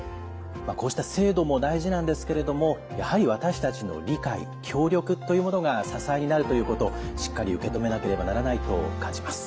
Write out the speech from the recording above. こうした制度も大事なんですけれどもやはり私たちの理解協力というものが支えになるということしっかり受け止めなければならないと感じます。